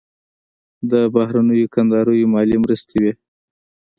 د بهرنیو کندهاریو مالي مرستې وې.